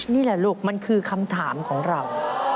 นี่แหละลูกมันคือคำถามของเรา